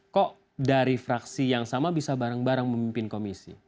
kok dari fraksi yang sama bisa bareng bareng memimpin komisi